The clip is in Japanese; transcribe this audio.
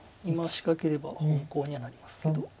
今仕掛ければ本コウにはなりますけど。